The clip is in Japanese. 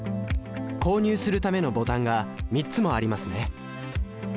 購入するためのボタンが３つもありますね